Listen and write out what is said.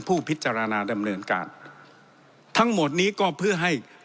ผู้พิจารณาดำเนินการทั้งหมดนี้ก็เพื่อให้